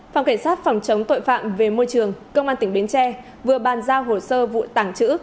phòng cảnh sát phòng chống tội phạm về môi trường công an tỉnh bến tre vừa bàn giao hồ sơ vụ tảng chữ